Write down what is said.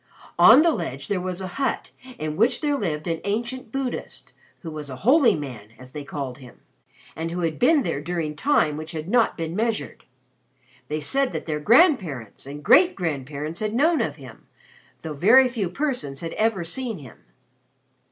On the ledge there was a hut in which there lived an ancient Buddhist, who was a holy man, as they called him, and who had been there during time which had not been measured. They said that their grandparents and great grandparents had known of him, though very few persons had ever seen him.